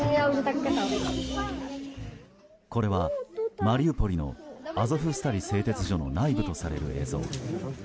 これは、マリウポリのアゾフスタリ製鉄所の内部とされる映像。